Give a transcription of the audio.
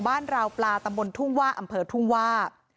ราวปลาตำบลทุ่งว่าอำเภอทุ่งว่า